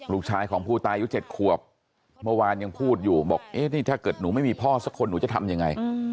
ลูกชายของผู้ตายอายุ๗ขวบเมื่อวานยังพูดอยู่บอกเอ๊ะนี่ถ้าเกิดหนูไม่มีพ่อสักคนหนูจะทำยังไง